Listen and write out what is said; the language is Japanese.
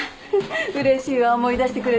うれしいわ思い出してくれて。